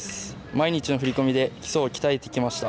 毎日の振りこみで基礎を鍛えてきました。